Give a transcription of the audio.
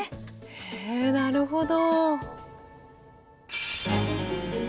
へえなるほど。